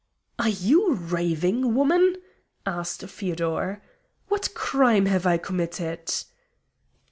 "Are you raving, woman?" asked Feodor. "What crime have I committed?"